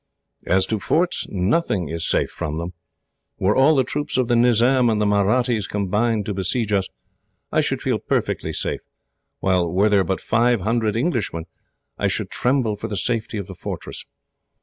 "As to forts, nothing is safe from them. Were all the troops of the Nizam and the Mahrattis combined to besiege us, I should feel perfectly safe; while were there but five hundred Englishmen, I should tremble for the safety of the fortress.